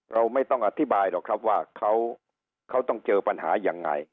เราไม่ต้องอธิบายหรอกครับว่าเขาต้องเจอปัญหายังไง